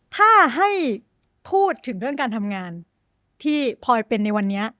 ถ้าให้พูดถึงเรื่องการทำงานที่พลอยเป็นในวันนี้